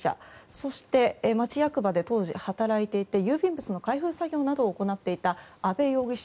そして、町役場で当時働いていて郵便物の開封作業などを行っていた阿部容疑者。